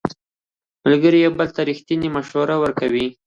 ملګري یو بل ته ریښتینې مشورې ورکوي